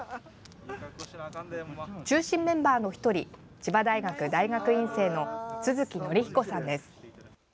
中心メンバーの１人千葉大学大学院生の都築則彦さんです。